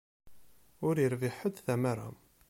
Ur irbiḥ ḥedd tamara.